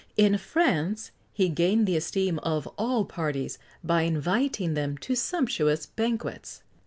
In France he gained the esteem of all parties by inviting them to sumptuous banquets.